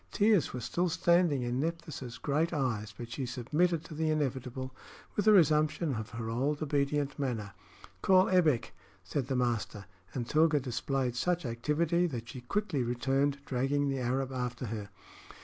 Tears were still standing in Nephthys' great eyes, but she submitted to the inevitable with a resumption of her old obedient manner. "Call Ebbek," said the master; and Tilga displayed such activity that she quickly returned, dragging the Arab after her.